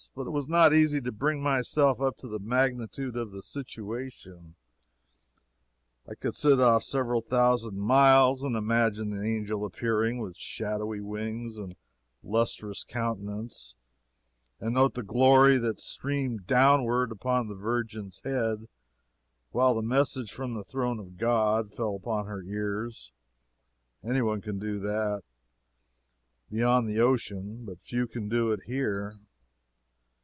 But it was not easy to bring myself up to the magnitude of the situation. I could sit off several thousand miles and imagine the angel appearing, with shadowy wings and lustrous countenance, and note the glory that streamed downward upon the Virgin's head while the message from the Throne of God fell upon her ears any one can do that, beyond the ocean, but few can do it here.